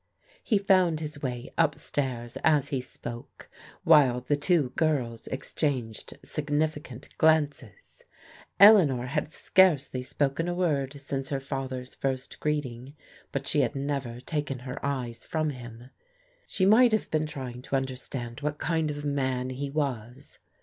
He found his way up stairs as he spoke, while the two girls exchanged significant glances. Eleanor had scarcely spoken a word since her father's first greeting, but she had never taken her eyes from him. She might have been trying to understand what kind of man he was.